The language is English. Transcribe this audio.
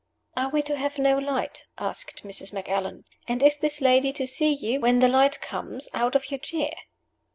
"Are we to have no light?" asked Mrs. Macallan. "And is this lady to see you, when the light comes, out of your chair?"